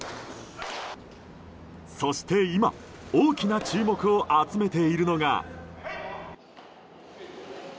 そして今、大きな注目を集めているのが。